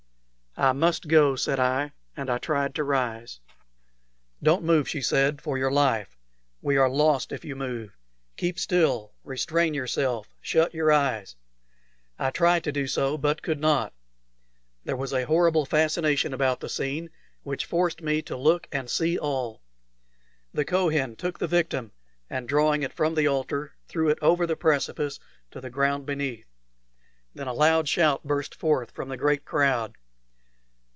"I must go," said I, and I tried to rise. "Don't move," she said, "for your life! We are lost if you move. Keep still restrain yourself shut your eyes." I tried to do so, but could not. There was a horrible fascination about the scene which forced me to look and see all. The Kohen took the victim, and drawing it from the altar, threw it over the precipice to the ground beneath. Then a loud shout burst forth from the great crowd.